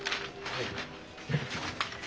はい。